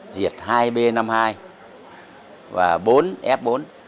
diệt hai b năm mươi hai và bốn f bốn